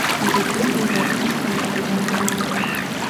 پیرودونکی باید هیڅکله انتظار وانهخلي.